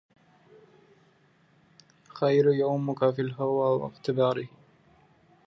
خير يوميك في الهوى واقتباله